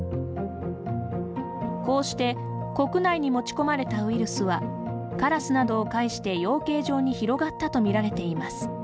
こうして国内に持ち込まれたウイルスは、カラスなどを介して養鶏場に広がったと見られています。